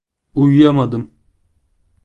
Uyuyamadım.